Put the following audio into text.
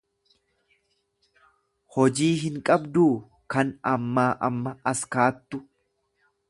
Hojii hin qabduu kan ammaa amma as kaattu?